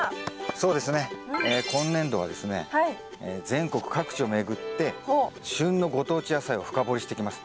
そうですね。今年度はですね全国各地を巡って旬のご当地野菜を深掘りしていきます。